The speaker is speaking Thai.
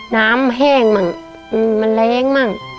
น้ำแห้งมั่งมันแร้งมั่ง